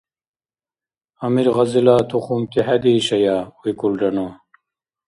— Амир Гъазила тухумти хӀедиишая? — викӀулра ну.